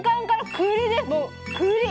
栗！